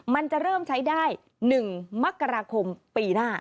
มันจะเริ่มใช้ได้๑มกราคมปีหน้า